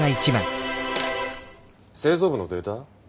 製造部のデータ？